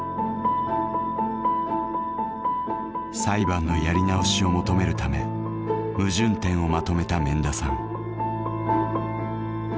裁判のやり直しを求めるため矛盾点をまとめた免田さん。